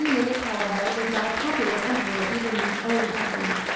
Tukulti Ninip, however, was not a popular emperor even in his own country.